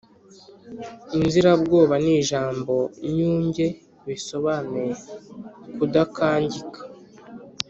Inzirabwoba ni ijambo-nyunge bisobanuye kudakangika,